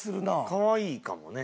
かわいいかもね。